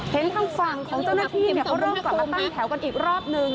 ทางฝั่งของเจ้าหน้าที่เขาเริ่มกลับมาตั้งแถวกันอีกรอบนึง